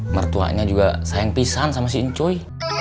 mertuanya juga sayang pisah sama si incuy